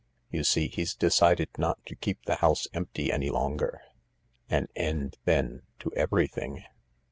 You see, he's decided not to keep the house empty any longer. " An end, then, to everything